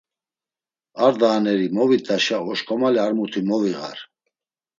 Ar dahaneri movit̆aşa oşǩomale ar muti mogiğar.